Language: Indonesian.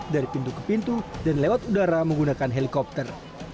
dari pintu ke pintu dan lewat udara menggunakan helikopter